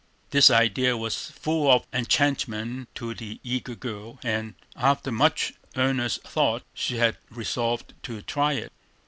This idea was full of enchantment to the eager girl, and, after much earnest thought, she had resolved to try it.